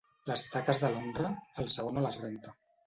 Les taques de l'honra, el sabó no les renta.